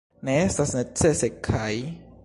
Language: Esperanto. Ne estas necese, kaj.